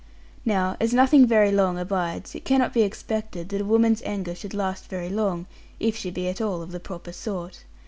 Now, as nothing very long abides, it cannot be expected that a woman's anger should last very long, if she be at all of the proper sort.